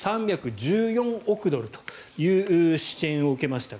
３１４億ドルという支援を受けました。